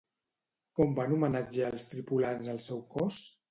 Com van homenatjar els tripulants el seu cos?